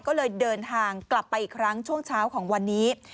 ก็เลยเดินทางกลับไปอีกครั้งช่วงเช้าของวันนี้